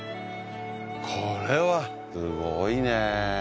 これはすごいね。